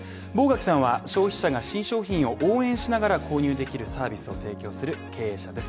坊垣さんは消費者が新商品を応援しながら購入できるサービスを提供する経営者です